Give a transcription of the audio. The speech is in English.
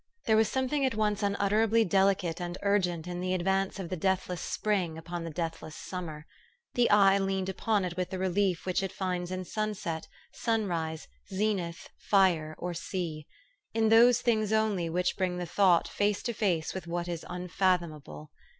There was something at once unutterably deli cate and urgent in the advance of the deathless spring upon the deathless summer. The eye leaned upon it with the relief which it finds in sunset, sun rise, zenith, fire, or sea ; in those things only which bring the thought face to face with what is unfath omable.